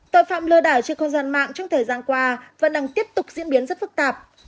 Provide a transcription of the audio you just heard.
tội phạm lừa đảo trên không gian mạng trong thời gian qua vẫn đang tiếp tục diễn biến rất phức tạp